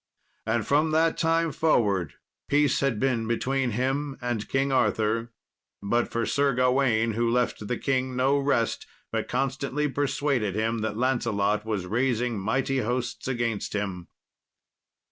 And from that time forward peace had been between him and King Arthur, but for Sir Gawain, who left the king no rest, but constantly persuaded him that Lancelot was raising mighty hosts against him.